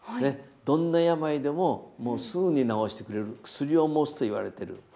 どんな病でもすぐに治してくれる薬を持つといわれてる。